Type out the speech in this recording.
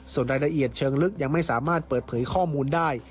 ส่วนรายละเอียดเชิงลึกยังไม่สามารถเปิดเผยข้อมูลได้